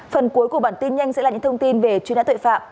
phần cuối của bản tin nhanh sẽ là những thông tin về chuyên án tội phạm